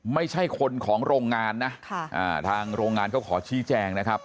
ไม่ใช่คนของโรงงานนะทางโรงงานเขาขอชี้แจงนะครับ